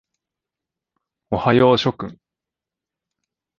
おはよう諸君。